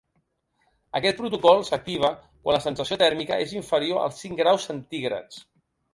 Aquest protocol s’activa quan la sensació tèrmica és inferior als cinc graus centígrads.